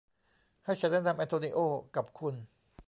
ให้ฉันแนะนำแอนโทนีโอ้กับคุณ